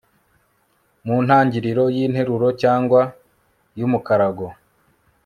mu ntangiriro y'interuro cyangwa y'umukarago